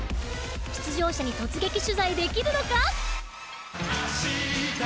出場者に突撃取材できるのか？